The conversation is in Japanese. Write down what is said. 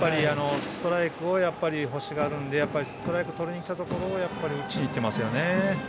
ストライクを欲しがるのでストライクとりにきたところを打ちに行ってますね。